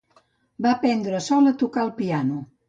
Va aprendre sol a tocar el piano.